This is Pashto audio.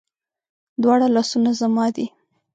دواړه لاسونه زما دي